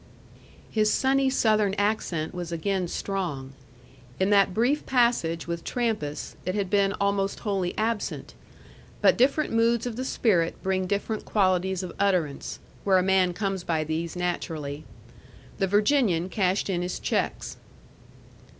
His sunny Southern accent was again strong. In that brief passage with Trampas it had been almost wholly absent. But different moods of the spirit bring different qualities of utterance where a man comes by these naturally. The Virginian cashed in his checks.